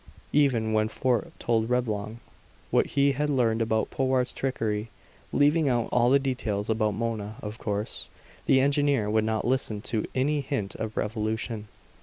Even when Fort told Reblong what he had learned about Powart's trickery leaving out all details about Mona, of course the engineer would not listen to any hint of revolution.